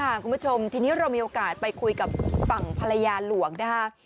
คุณผู้ชมทีนี้เรามีโอกาสไปคุยกับฝั่งภรรยาหลวงนะคะ